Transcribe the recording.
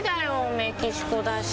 メキシコだし。